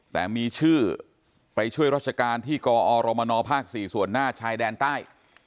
แต่มีชื่อไปช่วยราชการที่กอรมนภ๔ส่วนหน้าชายแดนใต้